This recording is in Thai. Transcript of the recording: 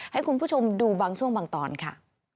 ให้คุณผู้ชมดูบางช่วงบางตอนค่ะ